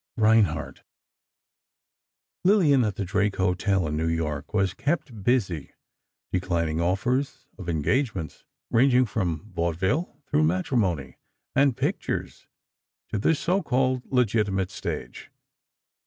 X REINHARDT Lillian, at the Drake Hotel, in New York was kept busy declining offers of engagements—ranging from vaudeville through matrimony and pictures to the so called legitimate stage.